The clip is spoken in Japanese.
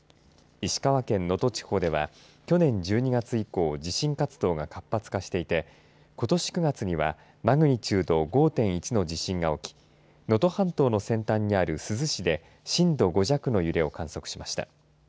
石川県能登地方では、去年１２月以降、地震活動が活発化していてことし９月にはマグニチュード５．１の地震が起き能登半島の先端にある珠洲市で震度５弱の揺れを観測しました。